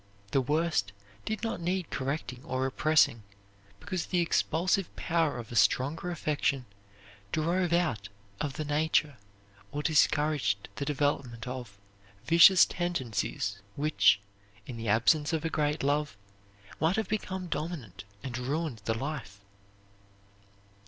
The worst did not need correcting or repressing, because the expulsive power of a stronger affection drove out of the nature or discouraged the development of vicious tendencies which, in the absence of a great love, might have become dominant and ruined the life.